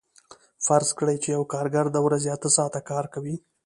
فرض کړئ چې یو کارګر د ورځې اته ساعته کار کوي